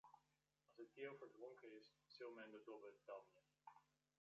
As it keal ferdronken is, sil men de dobbe damje.